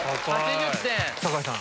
酒井さん。